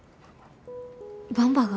ばんばが？